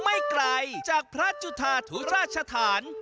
ไม่ไกลจากพระจุธาธุราชธาน